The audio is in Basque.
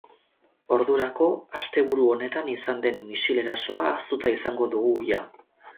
Ordurako, asteburu honetan izan den misil erasoa ahaztuta izango dugu ia.